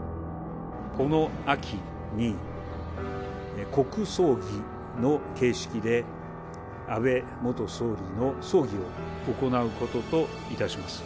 この秋に、国葬儀の形式で、安倍元総理の葬儀を行うことといたします。